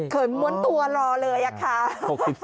ม้วนตัวรอเลยอะค่ะ